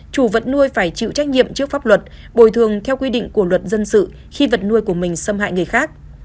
chủ vật nuôi phải chịu trách nhiệm trước pháp luật bồi thường theo quy định của luật dân sự khi vật nuôi của mình xâm hại người khác